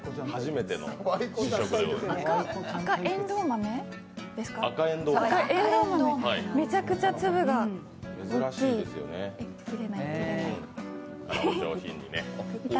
めちゃくちゃ粒が大きい。